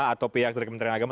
atau pihak dari kementerian agama